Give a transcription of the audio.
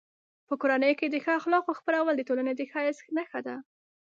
په کورنۍ کې د ښو اخلاقو خپرول د ټولنې د ښایست نښه ده.